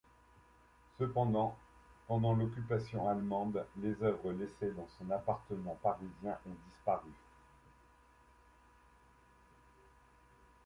Cependant pendant l'Occupation allemande, les œuvres laissées dans son appartement parisien ont disparu.